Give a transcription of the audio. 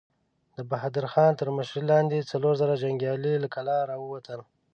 د بهادر خان تر مشرۍ لاندې څلور زره جنګيالي له کلا را ووتل.